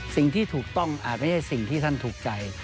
สิ่งที่ถูกต้องอาจไม่ใช่สิ่งที่ท่านถูกใจ